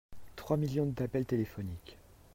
Trois millions d'appels téléphoniques.